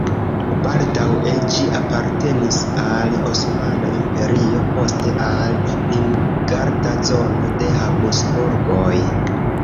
Baldaŭe ĝi apartenis al Osmana Imperio, poste al limgarda zono de Habsburgoj.